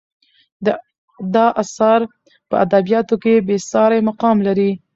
دا اثر په ادبیاتو کې بې سارې مقام لري.